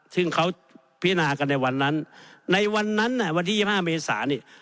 ซึ่งเขาพิจารณากันในวันนั้นในวันนั้นวันที่๒๕เมษาเนี่ย